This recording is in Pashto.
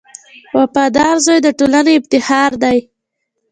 • وفادار زوی د ټولنې افتخار دی.